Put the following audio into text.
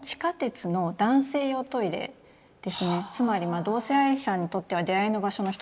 つまり同性愛者にとっては出会いの場所の一つだと思うんですが。